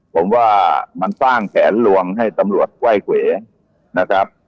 ผมว่ามันสร้างแผนลวงให้ตำรวจไหว้เขวนะครับ